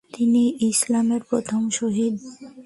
তিনিই ইসলামের প্রথম শহীদ।